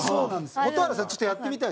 蛍原：やってみたい！